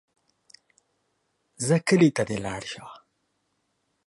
ځه کلي ته دې لاړ شه.